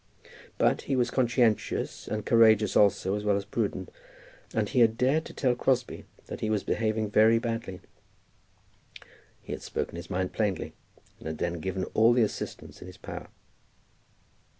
But he was conscientious, and courageous also as well as prudent, and he had dared to tell Crosbie that he was behaving very badly. He had spoken his mind plainly, and had then given all the assistance in his power.